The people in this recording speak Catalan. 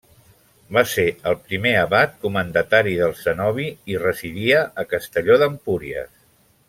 Va ser el primer abat comendatari del cenobi i residia a Castelló d'Empúries.